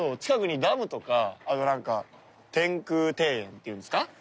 近くにダムとかあとなんか天空庭園っていうんですか？